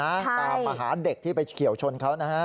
ตามมาหาเด็กที่ไปเฉียวชนเขานะฮะ